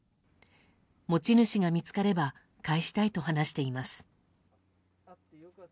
持ち主が見つかれば返したいと話しています。